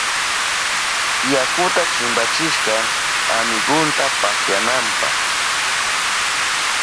Yakuta chimpachishka amigunta pasyananpa.